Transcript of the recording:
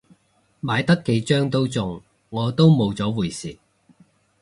買得幾張都中，我都冇咗回事